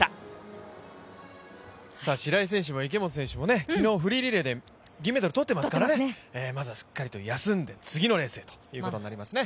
白井選手も池本選手も昨日、フリーリレーで銀メダル取っていますからまずはしっかりと休んで、次のレースへということになりますね。